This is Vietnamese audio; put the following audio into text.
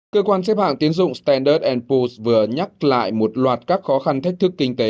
cơ quan xếp hạng tiến dụng standard enpos vừa nhắc lại một loạt các khó khăn thách thức kinh tế